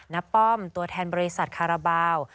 ป้อมตัวแทนบริษัทคาราบาล